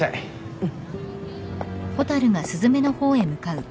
うん。